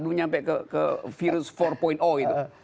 belum sampai ke virus empat itu